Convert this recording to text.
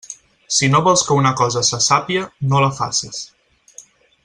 Si no vols que una cosa se sàpia, no la faces.